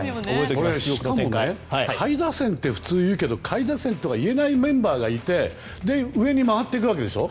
しかも下位打線って普通、言うけど下位打線とは言えないメンバーがて上に回っているわけでしょ。